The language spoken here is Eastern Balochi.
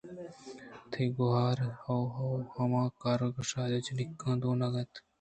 تئی گوٛہار ؟ہئو ہئو! ہما کار گشادیں جنکاں دونہ اَنت